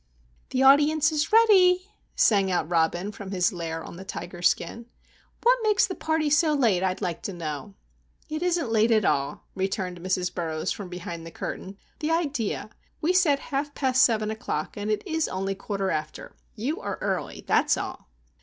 "The audience is ready," sang out Robin, from his lair on the tiger skin. "What makes the party so late, I'd like to know?" "It isn't late at all," returned Mrs. Burroughs, from behind the curtain. "The idea! we said half past seven o'clock, and it is only quarter after. You are early! That's all!"